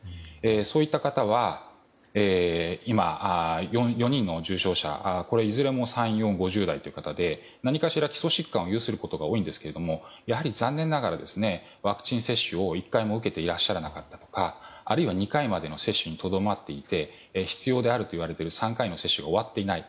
そういった方は今、４人の重症者これはいずれも３０代、４０代、５０代方で何かしら基礎疾患を有することが多いということでやはり残念ながらワクチン接種を１回も受けていらっしゃらなかったとか２回までの接種にとどまっていて必要であるといわれている３回の接種が終わっていない